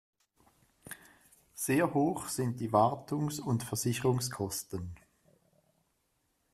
Sehr hoch sind die Wartungs- und Versicherungskosten.